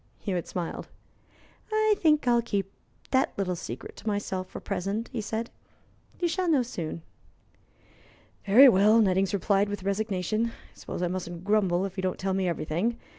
Hewitt smiled. "I think I'll keep that little secret to myself for the present," he said. "You shall know soon." "Very well," Nettings replied, with resignation. "I suppose I mustn't grumble if you don't tell me everything.